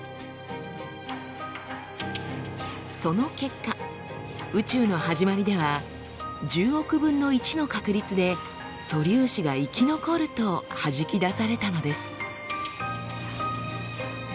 その結果宇宙の始まりでは１０億分の１の確率で素粒子が生き残るとはじき出されたのです。